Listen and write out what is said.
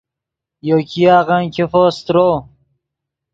یو ګیاغن ګیفو سترو